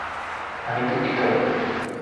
আমি দুঃখিত, ভাই।